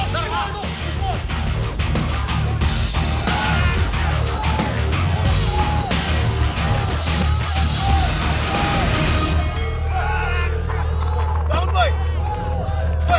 tidak ada apa apa